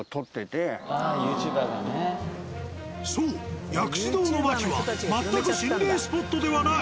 そう薬師堂のマキは全く心霊スポットではない。